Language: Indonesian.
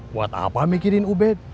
buat apa mikirin ubed